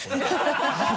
ハハハ